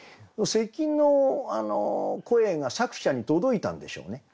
咳の声が作者に届いたんでしょうね。